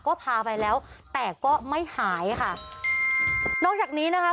ก็พาไปแล้วแต่ก็ไม่หายค่ะนอกจากนี้นะคะ